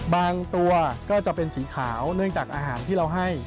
บางตัวก็จะเป็นสีขาวเนื่องจากอาหารที่เราให้